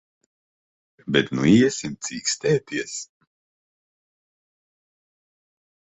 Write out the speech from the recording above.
Bet nu iesim cīkstēties.